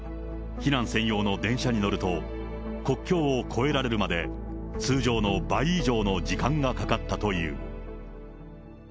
避難専用の電車に乗ると、国境を越えられるまで、通常の倍以上の時間がかかったという。